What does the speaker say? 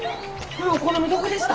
お好みどこでした？